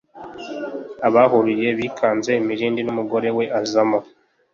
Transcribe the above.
Abahuruye bikanze imirindi n' umugore we azamo